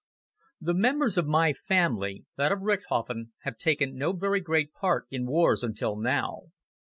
_ THE members of my family that of Richthofen have taken no very great part in wars until now.